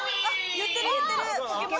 言ってる、言ってる。